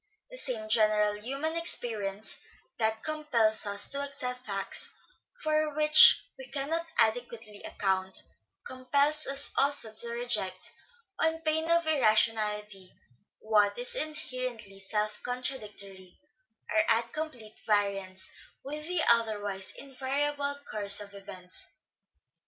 The same general human experience that compels us to accept facts for which we cannot adequately account, compels us also to reject, on pain of irrationality, what is inherently self contradictory, or at complete variance with tne otherwise invariable course of events.